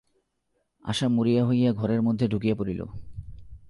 আশা মরিয়া হইয়া ঘরের মধ্যে ঢুকিয়া পড়িল।